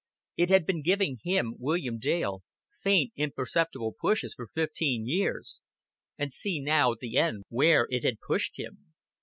It had been giving him, William Dale, faint imperceptible pushes for fifteen years, and see now at the end where it had pushed him.